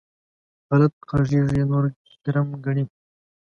غلط غږېږي؛ نور ګرم ګڼي.